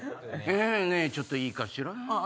「ねえちょっといいかしらぁ」。